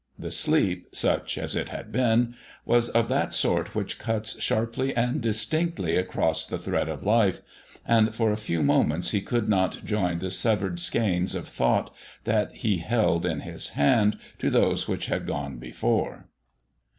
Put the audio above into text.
The sleep, such as it had been, was of that sort that cuts sharply and distinctly across the thread of life, and for a few moments he could not join the severed skeins of thought that he held in his hand to those which had gone before.